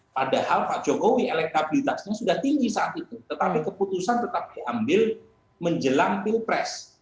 padahal pak jokowi elektabilitasnya sudah tinggi saat itu tetapi keputusan tetap diambil menjelang pilpres